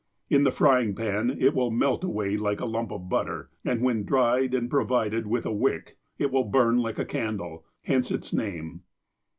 In the frying pan it will melt away like a lump of butter, and, M'hen dried and provided with a wick, it will burn like a candle. Hence its name.